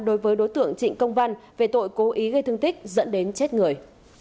đối với đối tượng trịnh công văn về tội cố ý gây thương tích dẫn đến chết người